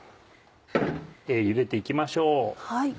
ゆでて行きましょう。